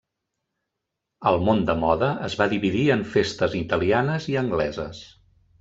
El món de moda es va dividir en festes italianes i angleses.